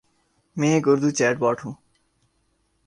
میں ایک Urdu chatbot ہوں۔